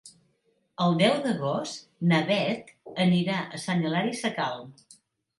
El deu d'agost na Beth anirà a Sant Hilari Sacalm.